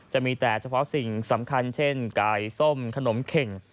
จะมีแต่เฉพาะสิ่งสำคัญเช่นไก่ส้มขนมเข่ง